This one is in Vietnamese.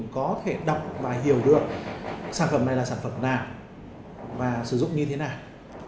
có thể đọc và hiểu được sản phẩm này là sản phẩm nào và sử dụng như thế nào